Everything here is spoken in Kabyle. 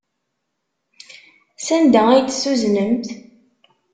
Sanda ay t-tuznemt?